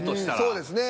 そうですね。